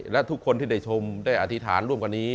และทุกคนที่ได้ชมได้อธิษฐานร่วมกันนี้